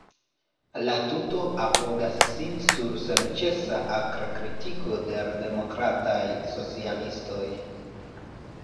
La tuto apogas sin sur senĉesa akra kritiko de l‘ demokrataj socialistoj.